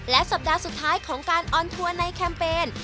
สัปดาห์สุดท้ายของการออนทัวร์ในแคมเปญ